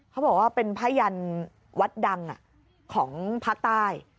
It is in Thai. เขาบอกว่าเป็นผ้ายันวัดดังของภาคใต้